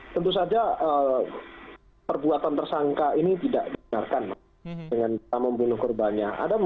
tentu saja perbuatan tersangka ini tidak didengarkan dengan kita membunuh korbannya